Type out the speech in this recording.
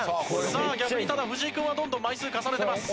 さあ逆にただ藤井君はどんどん枚数重ねてます。